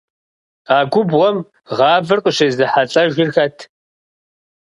А губгъуэм гъавэр къыщезыхьэлӏэжыр хэт?